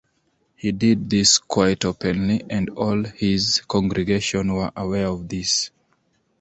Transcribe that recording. He did this quite openly and all his congregation were aware of this.